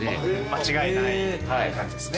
・間違いない感じですね。